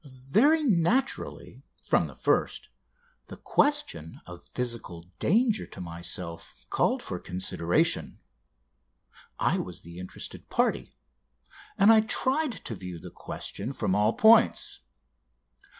Very naturally, from the first, the question of physical danger to myself called for consideration. I was the interested party, and I tried to view the question from all points.